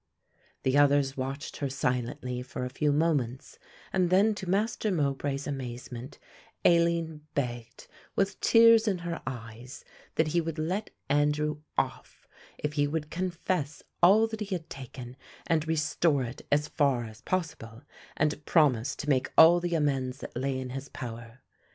The others watched her silently for a few moments and then to Master Mowbray's amazement Aline begged with tears in her eyes that he would let Andrew off if he would confess all that he had taken and restore it as far as possible, and promise to make all the amends that lay in his power.